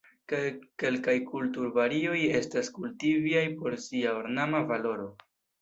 Kelkaj kulturvarioj estas kultivitaj por sia ornama valoro.